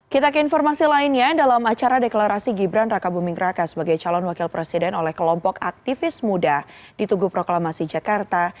kita ke informasi lainnya dalam acara deklarasi gibran raka buming raka sebagai calon wakil presiden oleh kelompok aktivis muda di tugu proklamasi jakarta